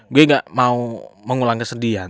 gue gak mau mengulang kesedihan